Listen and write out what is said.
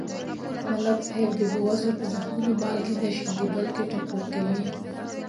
ملک صاحب د بې وزلو په زخمونو مالګې نه شیندي. بلکې ټکور کوي یې.